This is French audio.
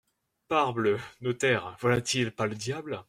Parbleu !… notaire, voilà-t-il pas le diable !